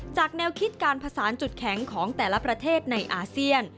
แนวคิดการผสานจุดแข็งของแต่ละประเทศในอาเซียน